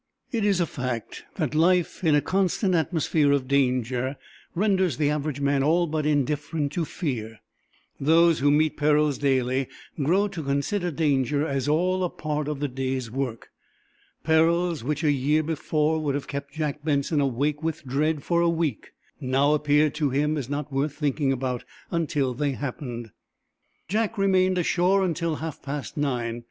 It is a fact that life in a constant atmosphere of danger renders the average man all but indifferent to fear. Those who meet perils daily grow to consider danger as all a part of the day's work. Perils which, a year before, would have kept Jack Benson awake with dread for a week now appeared to him as not worth thinking about until they happened. Jack remained ashore until half past nine.